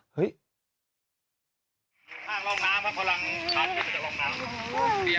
เฮ้ย